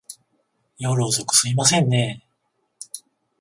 夜遅く、すいませんねぇ。